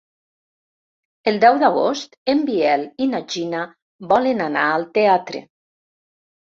El deu d'agost en Biel i na Gina volen anar al teatre.